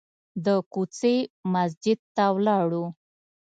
د کوڅې مسجد ته ولاړو.